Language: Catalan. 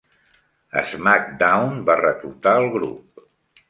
SmackDown va reclutar el grup.